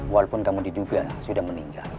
walaupun kamu diduga sudah meninggal